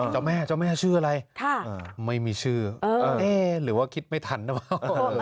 เจ้าแม่ชื่ออะไรไม่มีชื่อแน่หรือว่าคิดไม่ทันได้เปล่า